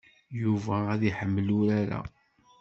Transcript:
Yuba ad iḥemmel urar-a.